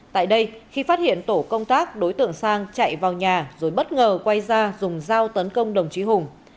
tại đây khi phát hiện tổ công tác đối tượng sang chạy vào nhà rồi bất ngờ quay ra dùng dao tấn công đồng chí hùng